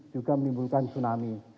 juga menimbulkan tsunami